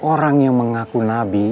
orang yang mengaku nabi